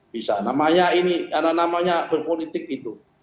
bisa namanya ini karena namanya berpolitik itu